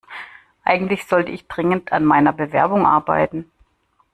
Eigentlich sollte ich dringend an meiner Bewerbung arbeiten.